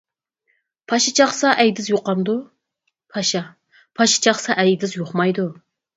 پاشا چاقسا ئەيدىز يۇقامدۇ؟ پاشا پاشا چاقسا ئەيدىز يۇقمايدۇ.